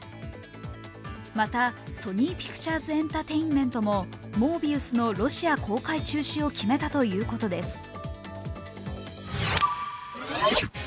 また、ソニー・ピクチャーズエンタテインメントも「モービウス」のロシア公開中止を決めたということです。